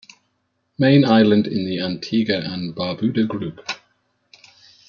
Main island in the Antigua and Barbuda group.